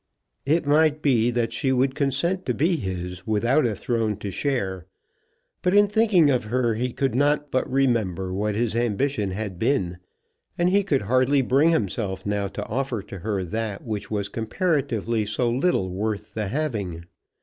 It might be that she would consent to be his without a throne to share; but in thinking of her he could not but remember what his ambition had been, and he could hardly bring himself now to offer to her that which was comparatively so little worth the having.